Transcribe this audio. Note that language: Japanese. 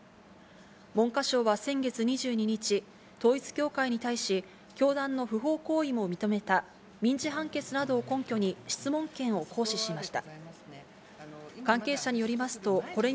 文科省は先月２２日、統一教会に対し、教団の不法行為を認めた民事判決などを根拠に、質問権を行使しました。